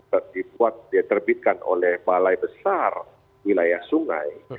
yang dibuat diterbitkan oleh balai besar wilayah sungai